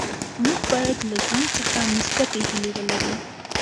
موږ باید له ژوند څخه مثبتې هیلې ولرو.